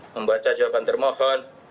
membaca jawaban termohon